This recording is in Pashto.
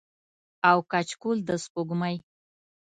او کچکول د سپوږمۍ